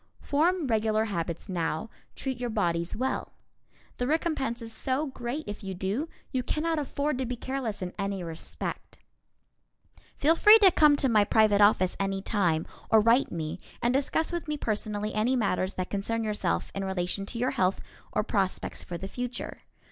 Form regular habits now, treat your bodies well. The recompense is so great if you do, you cannot afford to be careless in any respect. Feel free to come to my private office any time, or write me, and discuss with me personally any matters that concern yourself in relation to your health or prospects for the future.